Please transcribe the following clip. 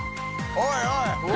おいおい！